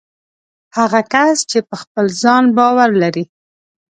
هغه کس چې په خپل ځان باور ولري